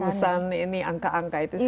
jadi urusan ini angka angka itu sudah